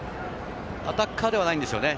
アタッカーではないんですね。